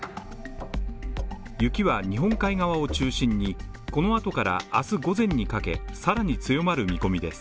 雪は日本海側を中心に、この後から明日午前にかけ、さらに強まる見込みです。